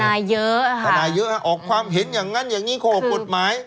เยอะค่ะทนายเยอะฮะออกความเห็นอย่างนั้นอย่างนี้ข้อกฎหมาย